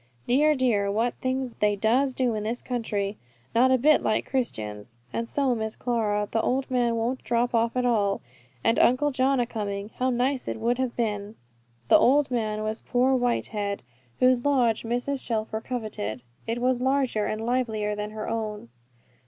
Dear, dear, what things they does do in the country. Not a bit like Christians. And so, Miss Clara, the old man won't drop off after all; and Uncle John a coming, how nice it would have been." The old man was poor Whitehead, whose lodge Mrs. Shelfer coveted, as it was larger and livelier than her own.